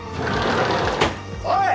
おい！